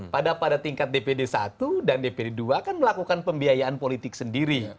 pada pada tingkat dpd i dan dpd ii kan melakukan pembiayaan politik sendiri